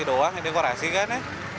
dekorasi doang dekorasi kan ya